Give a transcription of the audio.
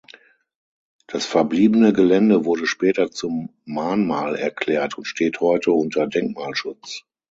Das verbliebene Gelände wurde später zum Mahnmal erklärt und steht heute unter Denkmalschutz.